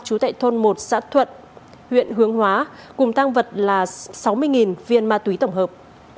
chú thẻ tôn một xã thuận huyện hướng hóa cùng tăng vật là sáu mươi viên ma túy tổng hợp